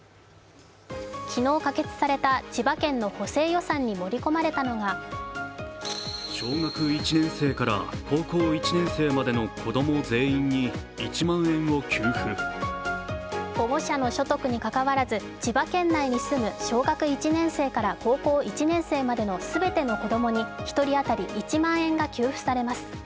昨日、可決された千葉県の補正予算に盛り込まれたのが保護者の所得にかかわらず千葉県内に住む小学１年生から高校１年生までの全ての子供に１人当たり１万円が給付されます。